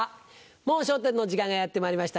『もう笑点』の時間がやってまいりました。